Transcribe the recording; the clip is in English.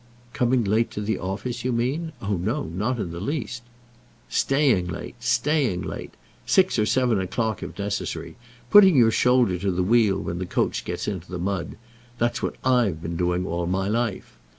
"Coming late to the office, you mean? Oh, no, not in the least." "Staying late, staying late. Six or seven o'clock if necessary, putting your shoulder to the wheel when the coach gets into the mud. That's what I've been doing all my life.